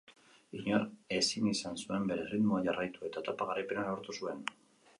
Inork ezin izan zuen bere erritmoa jarraitu eta etapa garaipena lortu zuen.